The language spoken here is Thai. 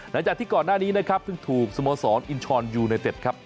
หลังจากที่ก่อนหน้านี้นะครับเพิ่งถูกสโมสรอินชรยูเนเต็ดครับ